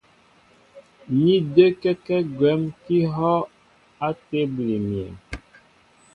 Ní də́kɛ́kɛ́ gwɛ̌m kɛ́ ihɔ́' á tébili myéŋ.